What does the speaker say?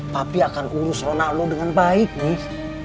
papi akan urus lu nalu dengan baik nih